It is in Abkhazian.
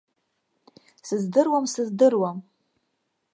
Сыздыруам, сыздыруам.